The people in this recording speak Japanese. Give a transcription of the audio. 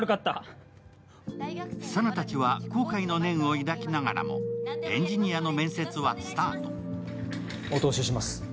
佐奈たちは後悔の念を抱きながらもエンジニアの面接はスタート。